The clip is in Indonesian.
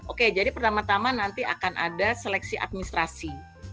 oke jadi pertama tama nanti akan ada seleksi administrasi